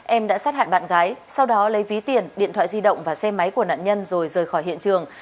em đã sát hại bạn gái sau đó lấy ví tiền điện thoại di động và xe máy của nạn nhân rồi rời khỏi hiện trường